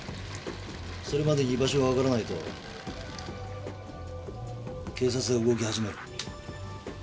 それまでに居場所が分からないと警察が動き始める。